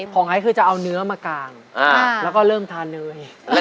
ไอซ์คือจะเอาเนื้อมากางแล้วก็เริ่มทานเนย